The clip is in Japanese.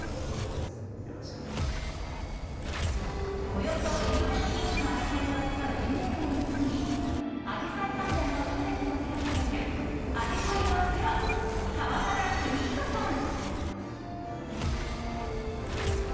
およそ９００品種のアジサイを扱う園芸店を営みアジサイ関連の書籍も手掛けているアジサイのプロ、川原田邦彦さん。